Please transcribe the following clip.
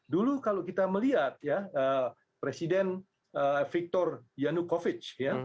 dulu kalau kita melihat presiden viktor yanukovych